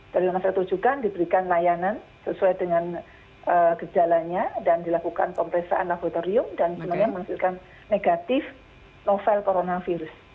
dari rumah sakit rujukan diberikan layanan sesuai dengan gejalanya dan dilakukan pemeriksaan laboratorium dan semuanya menghasilkan negatif novel coronavirus